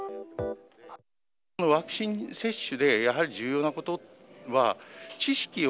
ワクチン接種でやはり重要なことは、知識を、